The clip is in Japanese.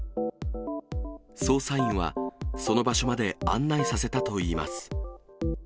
捜査員は、その場所まで案内させたといいます。